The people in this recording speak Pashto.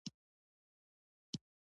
خراسان د اوسني افغانستان له حدودو څخه بهر دی.